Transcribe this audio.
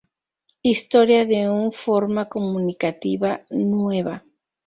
Historia de un forma comunicativa nueva".